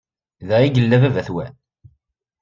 Da ay yella baba-twen?